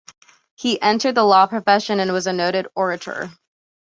He entered the law profession, and was a noted orator.